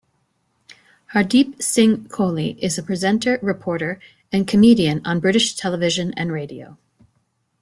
Hardeep Singh Kohli is a presenter, reporter and comedian on British television and radio.